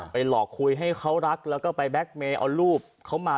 หลอกคุยให้เขารักแล้วก็ไปแบ็คเมย์เอารูปเขามา